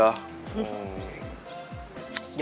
oh bisa aja